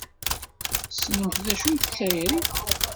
Tessnemt d acu-tt tayri?